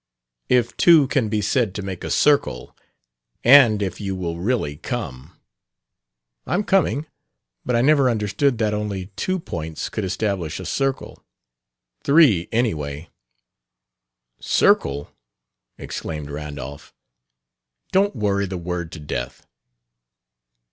"If two can be said to make a circle, and if you will really come." "I'm coming. But I never understood that only two points could establish a circle. Three, anyway." "Circle!" exclaimed Randolph. "Don't worry the word to death."